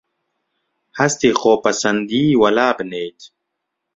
هەستی خۆپەسەندیی وەلابنێیت